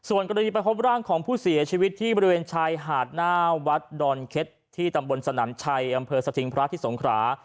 วันนี้ก็น่าจะเป็นวันที่น่าจะแรงที่สุดนะครับ